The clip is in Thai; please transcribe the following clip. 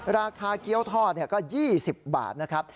ราคาเกี๊ยวทอดก็๒๐บาทนะครับ